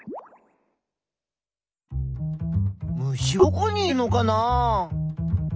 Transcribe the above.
虫はどこにいるのかな？